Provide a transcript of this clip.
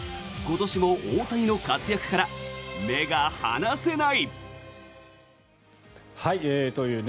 今年も大谷の活躍から目が離せない。